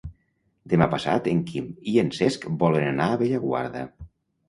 Demà passat en Quim i en Cesc volen anar a Bellaguarda.